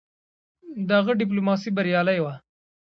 د هغه ډيپلوماسي بریالی وه.